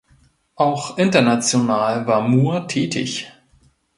Auch international war Muhr tätig.